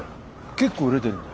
結構売れてるんだ。